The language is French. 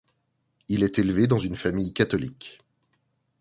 Il est élevé dans une famille catholique.